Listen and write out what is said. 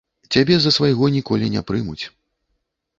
Цябе за свайго ніколі не прымуць.